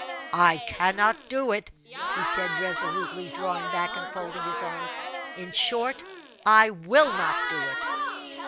"I cannot do it!" he said, resolutely, drawing back and folding his arms. "In short, I will not do it!"